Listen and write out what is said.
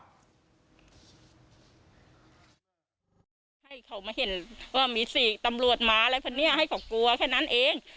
ให้เขามาเห็นว่ามีสี่ตำรวจหมาอะไรพวกนี้ให้เขากลัวแค่นั้นเอง